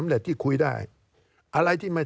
การเลือกตั้งครั้งนี้แน่